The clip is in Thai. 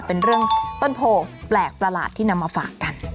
เป็นเรื่องต้นโพแปลกประหลาดที่นำมาฝากกัน